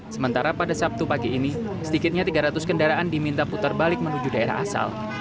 sementara pada sabtu pagi ini sedikitnya tiga ratus kendaraan diminta putar balik menuju daerah asal